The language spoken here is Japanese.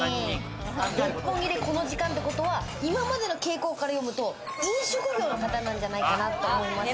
六本木でこの時間ってことは、今までの傾向から読むと飲食業の方なんじゃないかなと思います。